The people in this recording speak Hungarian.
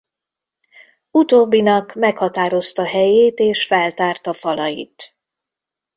Utóbbinak meghatározta helyét és feltárta falait.